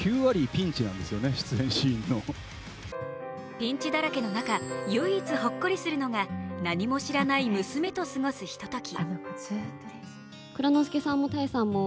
ピンチだらけの中、唯一ほっこりするのが何も知らない娘と過ごすひととき。